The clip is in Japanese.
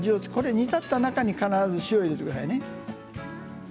煮立った中に必ず塩を入れてくださいね。